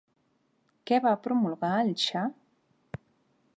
Què va promulgar el Xa?